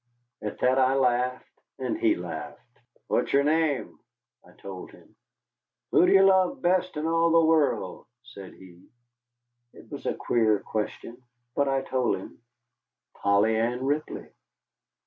At that I laughed, and he laughed. "What's your name?" I told him. "Who do you love best in all the world?" said he. It was a queer question. But I told him Polly Ann Ripley.